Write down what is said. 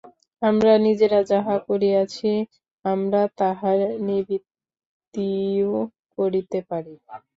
আমরা নিজেরা যাহা করিয়াছি, আমরা তাহার নিবৃত্তিও করিতে পারি।